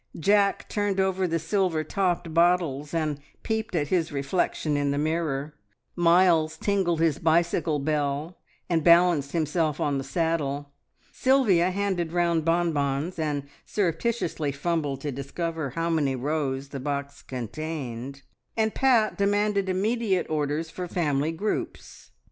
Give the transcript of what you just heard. Jack turned over the silver topped bottles, and peeped at his reflection in the mirror; Miles tingled his bicycle bell, and balanced himself on the saddle; Sylvia handed round bon bons and surreptitiously fumbled to discover how many rows the box contained; and Pat demanded immediate orders for family groups.